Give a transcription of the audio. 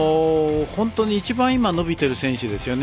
本当に一番今、伸びてる選手ですよね。